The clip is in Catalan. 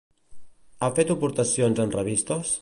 Ha fet aportacions en revistes?